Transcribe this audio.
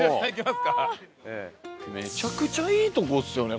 めちゃくちゃいいとこですよね